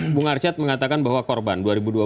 ibu ngarciat mengatakan bahwa korban